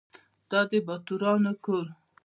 دا د باتورانو کور .